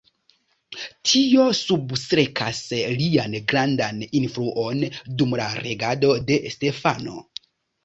Tio substrekas lian grandan influon dum la regado de Stefano.